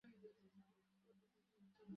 তিনি বাজার স্থাপন করেন।